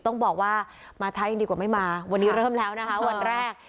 ต้องบอกว่ามาใช้ดีกว่าไม่มาวันนี้เริ่มแล้วนะคะวันแรก